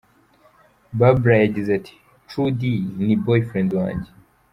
Babla yagize ati “True D ni boyfriend wanjye”.